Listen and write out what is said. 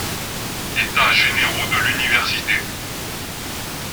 États généraux de l’Université.